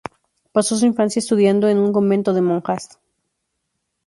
Pasó su infancia estudiando en un convento de monjas.